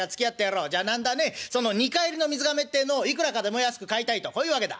じゃあなんだねその二荷入りの水がめってえのをいくらかでも安く買いたいとこういうわけだ。